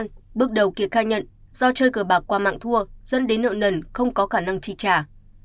ngoài ra phi đã khai nhận do chơi cờ bạc qua mạng thua dẫn đến nợ nần không có khả năng tri trả